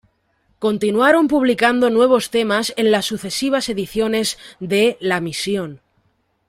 Continuaron publicando nuevos temas en las sucesivas ediciones de "La misión".